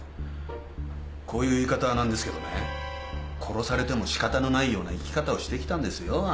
こういう言い方はなんですけどね殺されてもしかたのないような生き方をしてきたんですよ